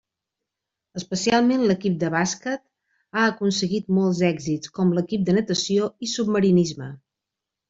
Especialment l'equip de bàsquet ha aconseguit molts èxits, com l'equip de natació i submarinisme.